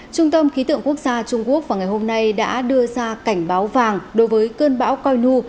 trung tâm khí tượng quốc gia trung quốc vào ngày hôm nay đã đưa ra cảnh báo vàng đối với cơn bão coi nu